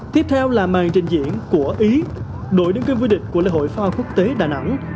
tiếp theo là màn trình diễn của ý đội đứng kênh vui địch của lê hội phá hoa quốc tế đà nẵng